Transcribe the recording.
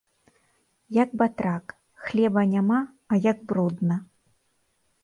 Як батрак, хлеба няма, а як брудна.